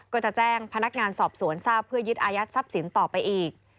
ก็จะแจ้งพนักงานสอบสวนทราบเพื่อยึดอายัดทรัพย์สินต่อไปอีก